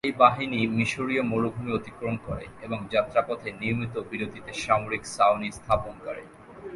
এই বাহিনী মিশরীয় মরুভূমি অতিক্রম করে এবং যাত্রাপথে নিয়মিত বিরতিতে সামরিক ছাউনি স্থাপন করে।